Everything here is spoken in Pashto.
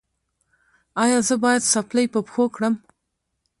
ایا زه باید څپلۍ په پښو کړم؟